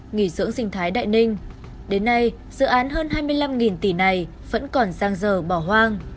nghỉ dưỡng sinh thái đại ninh đến nay dự án hơn hai mươi năm tỷ này vẫn còn giang dở bỏ hoang